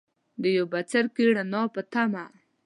د یو بڅرکي ، رڼا پۀ تمه